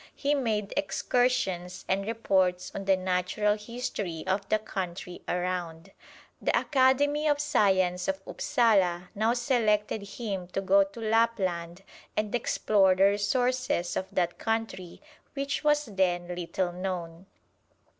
He made excursions and reports on the Natural History of the country around. The Academy of Science of Upsala now selected him to go to Lapland and explore the resources of that country, which was then little known.